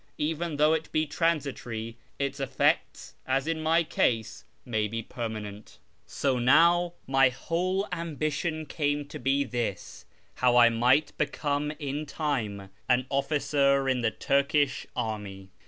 Even though it be transitory, its effects (as in my case) may be permanent. So now my whole ambition came to be this : how I might become in time an officer in the Turkish army.